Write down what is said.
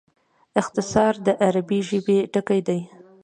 اختصار د عربي ژبي ټکی دﺉ.